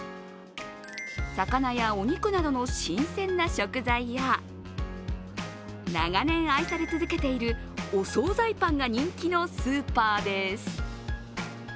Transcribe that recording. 魚やお肉などの新鮮な食材や長年愛され続けているお総菜パンが人気のスーパーです。